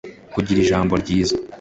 kugira ijambo ryiza